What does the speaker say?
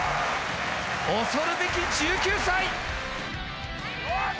恐るべき１９歳！